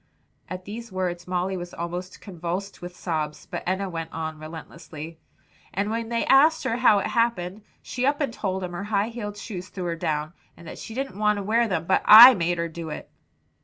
At these words Molly was almost convulsed with sobs, but Enna went on relentlessly. "And when they asked her how it happened, she up and told them her high heeled shoes threw her down, and that she didn't want to wear them, but I made her do it."